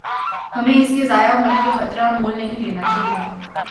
ہمیں اس کے ضائع ہونے کا خطرہ مول نہیں لینا چاہیے۔